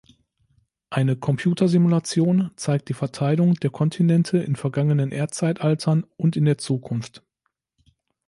Eine Computersimulation zeigt die Verteilung der Kontinente in vergangenen Erdzeitaltern und in der Zukunft.